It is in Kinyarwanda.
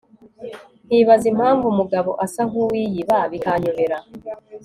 nkibaza impamvu umugabo asa nkuwiyiba bikanyobera